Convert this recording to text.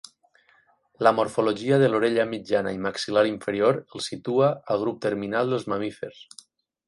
La morfologia de l'orella mitjana i maxil·lar inferior el situa al grup terminal dels mamífers.